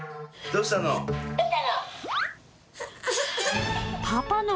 どうしたの？